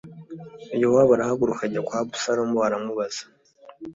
Yowabu arahaguruka ajya kwa Abusalomu aramubaza